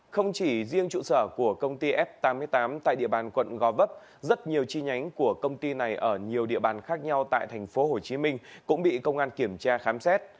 không chỉ riêng trụ sở của công ty f tám mươi tám tại địa bàn quận gò vấp rất nhiều chi nhánh của công ty này ở nhiều địa bàn khác nhau tại tp hcm cũng bị công an kiểm tra khám xét